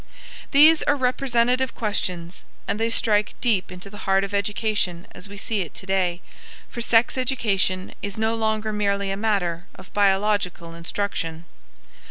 These are representative questions, and they strike deep into the heart of education as we see it today, for sex education is no longer merely a matter of biological instruction.